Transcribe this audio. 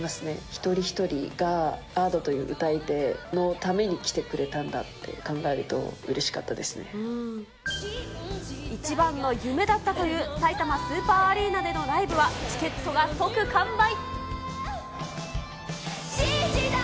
一人一人がＡｄｏという歌い手のために来てくれたんだって考える一番の夢だったという、さいたまスーパーアリーナでのライブはチケットが即完売。